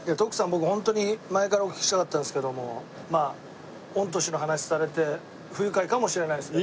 僕ホントに前からお聞きしたかったんですけどもまあ御年の話されて不愉快かもしれないですけど。